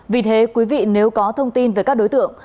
vì thế quý vị nếu có thông tin về các đối tượng